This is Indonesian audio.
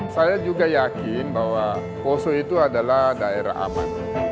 saya juga yakin bahwa poso itu adalah daerah aman